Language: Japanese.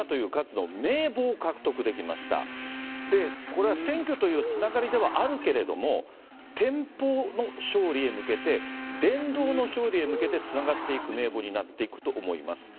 これは選挙というつながりではあるけれども、天寶の勝利へ向けて、伝道の勝利へ向けてつながっていく名簿になっていくと思います。